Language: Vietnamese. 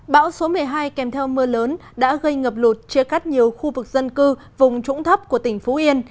bão số một mươi hai kèm theo mưa lớn đã gây ngập lụt chia cắt nhiều khu vực dân cư vùng trũng thấp của tỉnh phú yên